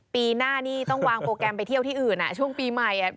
ปีหน้านี่ต้องวางโปรแกรมไปเที่ยวที่อื่นช่วงปีใหม่